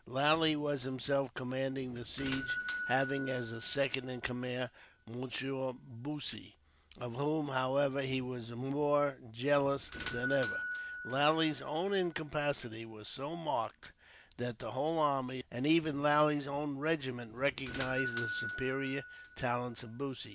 Lally was himself commanding the siege, having as his second in command Monsieur Bussy, of whom, however, he was more jealous than ever. Lally's own incapacity was so marked that the whole army, and even Lally's own regiment, recognized the superior talents of Bussy.